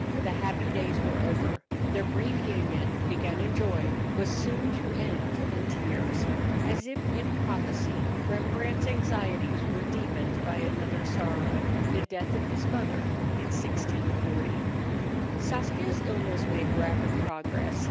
The happy days were over. Their brief union, begun in joy, was soon to end in tears. As if in prophecy, Rembrandt's anxieties were deepened by another sorrow the death of his mother in 1640. Saskia's illness made rapid progress.